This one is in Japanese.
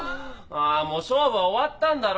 あーもう勝負は終わったんだろ？